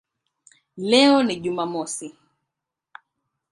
Leo ni Jumamosi".